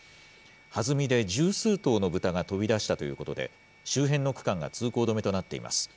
はずみで十数頭の豚が飛びだしたということで、周辺の区間が通行止めとなっています。